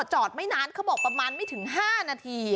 จอดไม่นานเขาบอกประมาณไม่ถึง๕นาที